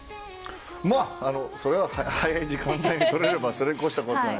まあそれは早い時間帯に取れればそれに越したことはない。